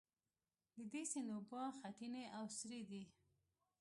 د دې سیند اوبه خټینې او سرې دي.